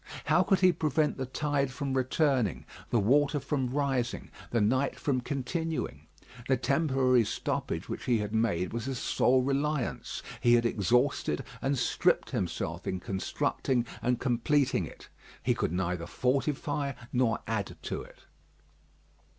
How could he prevent the tide from returning, the water from rising, the night from continuing? The temporary stoppage which he had made was his sole reliance. He had exhausted and stripped himself in constructing and completing it; he could neither fortify nor add to it.